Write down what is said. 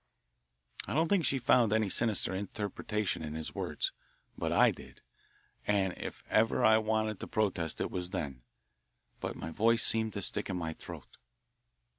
I don't think she found any sinister interpretation in his words, but I did, and if ever I wanted to protest it was then, but my voice seemed to stick in my throat.